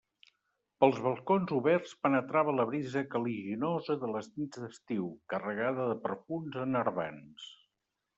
Pels balcons oberts penetrava la brisa caliginosa de les nits d'estiu, carregada de perfums enervants.